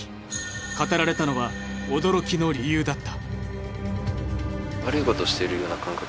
語られたのは驚きの理由だった。